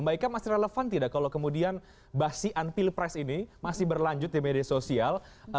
mbak ika masih relevan tidak kalau kemudian basi an pilpres ini masih berlanjut di media sosial